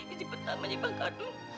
ijibetan menyibang kardun